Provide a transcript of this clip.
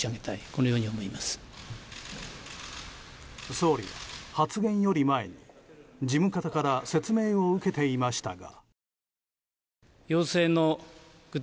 総理は発言より前に事務方から説明を受けていましたが。